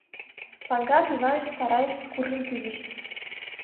Панкрат Иваныч сарайыш куржын кӱзыш...